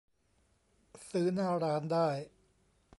ซื้อหน้าร้านได้